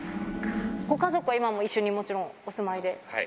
ご家族は今も一緒にもちろん、はい。